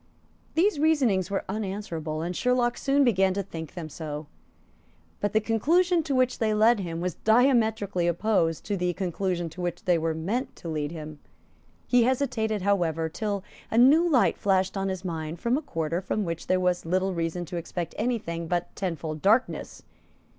These reasonings were unanswerable; and Sherlock soon began to think them so; but the conclusion to which they led him was diametrically opposed to the conclusion to which they were meant to lead him. He hesitated, however, till a new light flashed on his mind from a quarter from which there was little reason to expect any thing but tenfold darkness.